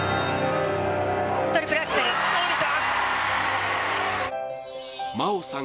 トリプルアクセルスッとおりた！